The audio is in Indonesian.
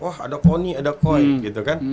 wah ada kony ada koy gitu kan